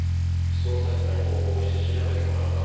「捜査一課に報告して調べてもらうか」